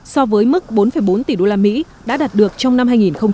so với mức bốn bốn tỷ usd đã đạt được trong năm hai nghìn một mươi chín